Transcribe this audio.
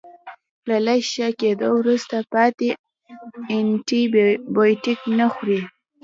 له لږ ښه کیدو وروسته پاتې انټي بیوټیک نه خوري.